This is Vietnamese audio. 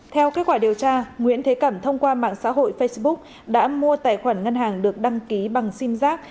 theo kết quả điều tra nguyễn thế cẩm thông qua mạng xã hội facebook đã mua tài khoản ngân hàng được đăng ký bằng sim giác